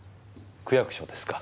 区役所ですか？